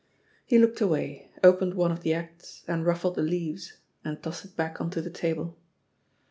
He looked away, opened one of the acts and ru£3ed the leaves, and tossed it back on to the table.